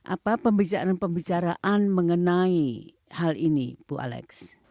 apa pembicaraan pembicaraan mengenai hal ini bu alex